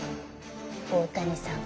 大谷さん